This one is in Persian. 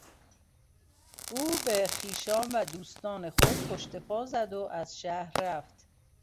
او به خویشان و دوستان خود پشت پا زد و از شهر رفت.